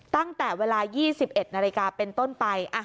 ตั้งแต่เวลา๒๑นาฬิกาเป็นต้นไป